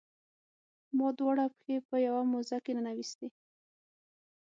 ما دواړه پښې په یوه موزه کې ننویستي.